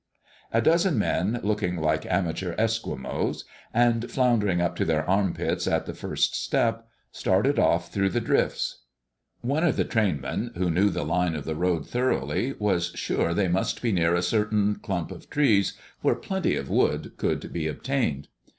A dozen men, looking like amateur Esquimaux, and floundering up to their armpits at the first step, started off through the drifts. One of the train men, who knew the line of the road thoroughly, was sure they must be near a certain clump of trees where plenty of wood could be obtained.